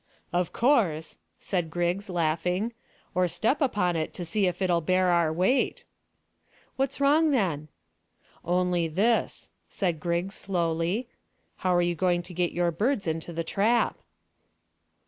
"Of course," said Griggs, laughing, "or step upon it to see if it'll bear our weight." "What's wrong, then?" "Only this," said Griggs slowly. "How are you going to get your birds into the trap?"